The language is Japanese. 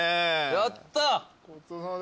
やった！